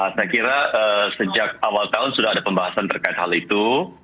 saya kira sejak awal tahun sudah ada pembahasan terkait hal itu